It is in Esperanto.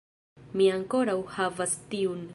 Mi ankoraŭ havas tiun